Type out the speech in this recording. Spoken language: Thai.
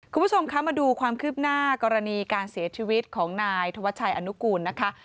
คุณผู้ชมคะมาดูความคืบหน้ากรณีการเสียชีวิตของนายธวัชชัยอนุกูลนะคะ